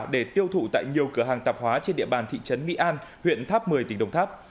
để tiêu thụ tại nhiều cửa hàng tạp hóa trên địa bàn thị trấn mỹ an huyện tháp một mươi tỉnh đồng tháp